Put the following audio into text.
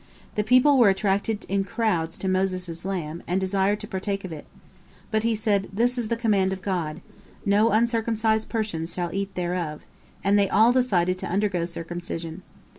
The people were attracted in crowds to Moses' lamb, and desired to partake of it. But he said, "This is the command of God, 'No uncircumcised person shall eat thereof,' " and they all decided to undergo circumcision.